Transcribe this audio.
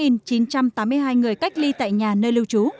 một mươi sáu chín trăm tám mươi hai người cách ly tại nhà nơi lưu trú